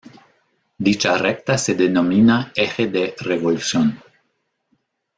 Dicha recta se denomina eje de revolución.